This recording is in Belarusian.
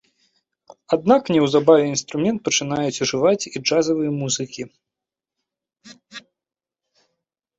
Аднак неўзабаве інструмент пачынаюць ужываць і джазавыя музыкі.